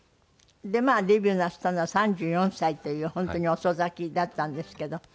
でデビューなすったのは３４歳という本当に遅咲きだったんですけど。